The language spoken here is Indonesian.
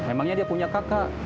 emangnya dia punya kakak